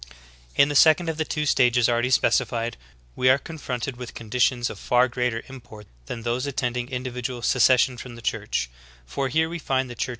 18. In the second of the two stages already specified, we are confronted with conditions of far greater import than those attending individual secession from the Church; for here we find the Church